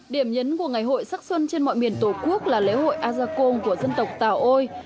điểm nhấn của ngày hội sắc xuân trên mọi miền tổ quốc là lễ hội a gia côn của dân tộc tàu ôi